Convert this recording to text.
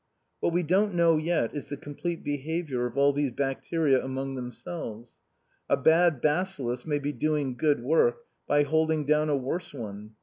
What we don't know yet is the complete behaviour of all these bacteria among themselves. A bad bacillus may be doing good work by holding down a worse one.